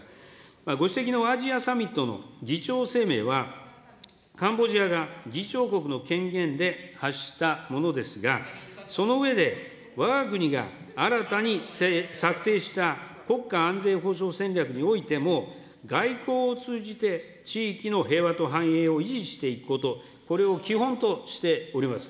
ご指摘のアジアサミットの議長声明は、カンボジアが議長国の権限で発したものですが、その上で、わが国が新たに策定した国家安全保障戦略においても、外交を通じて地域の平和と繁栄を維持していくこと、これを基本としております。